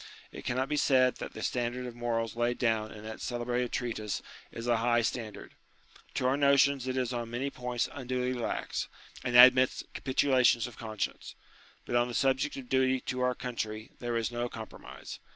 It cannot be said that the standard of morals laid down in that celebrated treatise is a high standard. To our notions it is on many points unduly 108 UTILITY OF RELIGION lax, and admits capitulations of conscience. But on the subject of duty to our country there is no com promise.